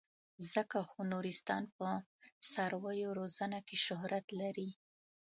ځکه خو نورستان په څارویو روزنه کې شهرت لري.